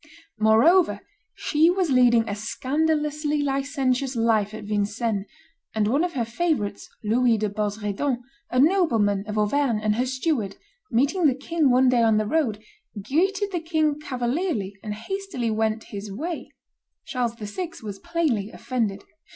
Moreover, she was leading a scandalously licentious life at Vincennes; and one of her favorites, Louis de Bosredon, a nobleman of Auvergne and her steward, meeting the king one day on the road, greeted the king cavalierly and hastily went his way. Charles VI. was plainly offended.